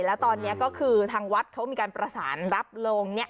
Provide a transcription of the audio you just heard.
แล้วตอนนี้ก็คือทางวัดเขามีการประสานรับโรงเนี่ย